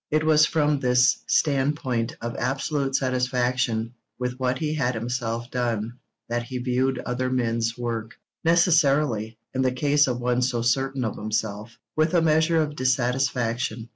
It was from this standpoint of absolute satisfaction with what he had himself done that he viewed other men's work; necessarily, in the case of one so certain of himself, with a measure of dissatisfaction.